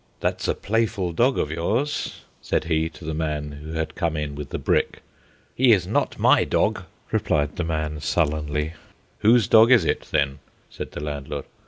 "That's a playful dog of yours," said he to the man who had come in with the brick. "He is not my dog," replied the man sullenly. "Whose dog is it then?" said the landlord.